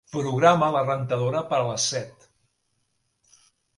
Programa la rentadora per a les set.